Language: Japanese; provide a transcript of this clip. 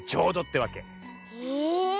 へえ。